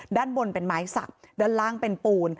ด้านบนเป็นไม้สักด้านล่างเป็นปูน